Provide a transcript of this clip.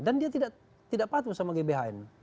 dan dia tidak patuh sama gbhn